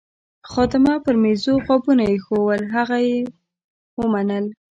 خادمه پر میزو غابونه ایښوول، هغه یې ومنل.